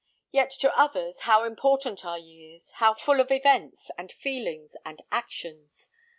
Yet to others how important are years, how full of events, and feelings, and actions!